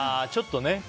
ちょっとね。